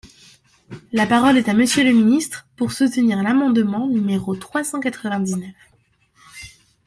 La parole est à Monsieur le ministre, pour soutenir l’amendement numéro trois cent quatre-vingt-dix-neuf.